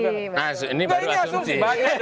nah ini asumsi